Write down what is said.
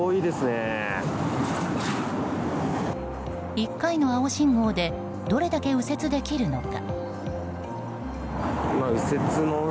１回の青信号でどれだけ右折できるのか？